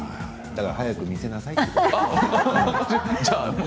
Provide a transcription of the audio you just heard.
だから早く見せなさいと。